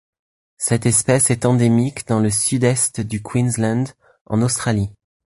Cette espèce est endémique dans le Sud-Est du Queensland en Australie.